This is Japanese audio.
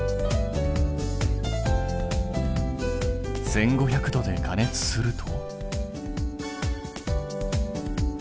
１，５００度で加熱すると。